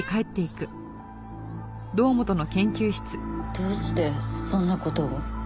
どうしてそんな事を？